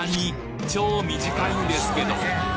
超短いんですけど！